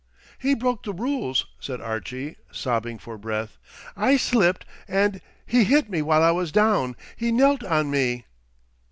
"He broke the rules" said Archie, sobbing for breath. "I slipped, and—he hit me while I was down. He knelt on me."